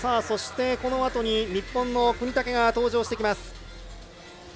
そして、このあとに日本の國武が登場してきます。